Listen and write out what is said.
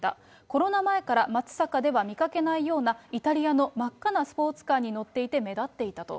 コロナ前から、松阪では見かけないような、イタリアの真っ赤なスポーツカーに乗っていて、目立っていたと。